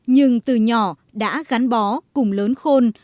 nhưng từ nhỏ đã gắn bó cùng lớn khôn